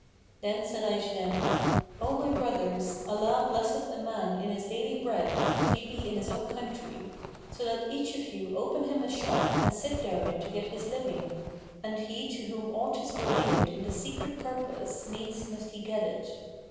Then said I to them, 'O my brothers, Allah blesseth a man in his daily bread, if he be in his own country: so let each of you open him a shop and sit therein to get his living; and he to whom aught is ordained in the Secret Purpose,[FN#498] needs must he get it.'